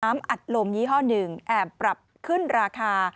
อัดลมยี่ห้อหนึ่งแอบปรับขึ้นราคา